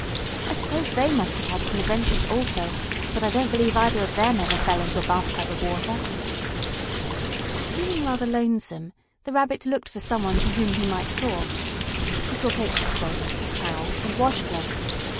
"I suppose they must have had some adventures, also, but I don't believe either of them ever fell into a bathtub of water." Feeling rather lonesome, the Rabbit looked for some one to whom he might talk. He saw cakes of soap, towels, and wash cloths.